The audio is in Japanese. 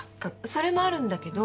それもあるんだけど。